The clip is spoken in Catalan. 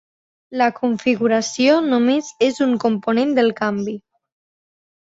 La configuració només és un component del canvi.